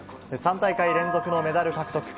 ３大会連続のメダル獲得。